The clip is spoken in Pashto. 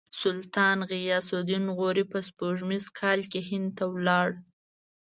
سلطان غیاث الدین غوري په سپوږمیز کال کې هند ته ولاړ.